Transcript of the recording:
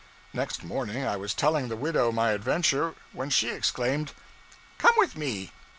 Next morning I was telling the widow my adventure, when she exclaimed 'Come with me!